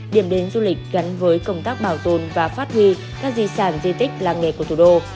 điểm đến du lịch gắn với công tác bảo tồn và phát huy các di sản di tích làng nghề của thủ đô